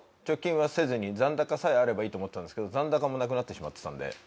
貯金はせずに残高さえあればいいと思ってたんですけど残高もなくなってしまってたんで。